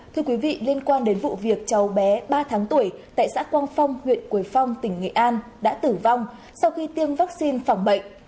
thưa quý vị liên quan đến vụ việc cháu bé ba tháng tuổi tại xã quang phong huyện quế phong tỉnh nghệ an đã tử vong sau khi tiêm vaccine phòng bệnh